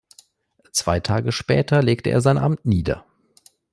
Zwei Tage später legte er sein Amt nieder.